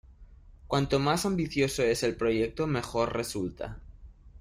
Cuanto más ambicioso es el proyecto, mejor resulta.